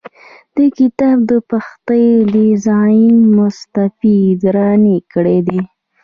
د کتاب د پښتۍ ډیزاین مصطفی دراني کړی دی.